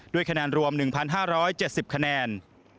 คะแนนรวม๑๕๗๐คะแนน